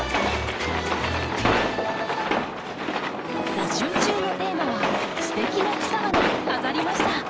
募集中のテーマは「ステキな草花飾りました！」。